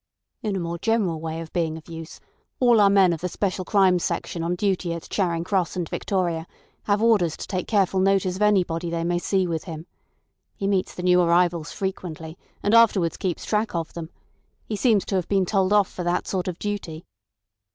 "In a more general way of being of use, all our men of the Special Crimes section on duty at Charing Cross and Victoria have orders to take careful notice of anybody they may see with him. He meets the new arrivals frequently, and afterwards keeps track of them. He seems to have been told off for that sort of duty.